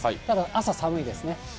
ただ、朝寒いですね。